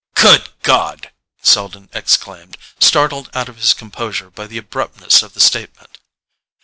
"Good God!" Selden exclaimed, startled out of his composure by the abruptness of the statement.